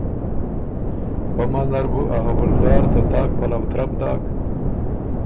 پۀ منځ نر بُو ا حؤلدار ته تاک پلؤ ترپ داک